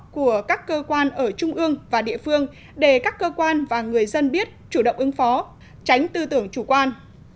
của các cơ quan ở trung ương và địa phương để các cơ quan và người dân biết chủ động ứng phó tránh tư tưởng chủ quan